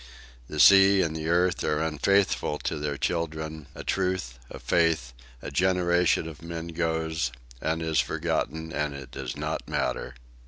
The sea and the earth are unfaithful to their children: a truth, a faith, a generation of men goes and is forgotten, and it does not matter!